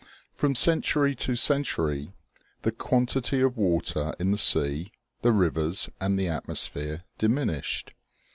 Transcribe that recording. From century to century the quantity of water in the sea, the rivers and the atmosphere diminished.